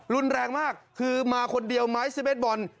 รุนแรงมากคือมาคนเดียวไม้สิบเบสบอล